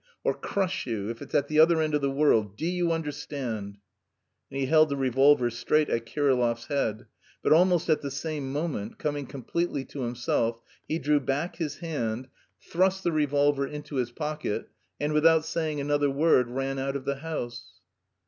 or crush you... if it's at the other end of the world... do you understand!" And he held the revolver straight at Kirillov's head; but almost at the same minute, coming completely to himself, he drew back his hand, thrust the revolver into his pocket, and without saying another word ran out of the house.